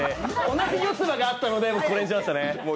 同じよつ葉があったので、これにしましたね。